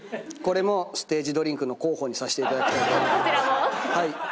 これもステージドリンクの候補にさせていただきたいと思います。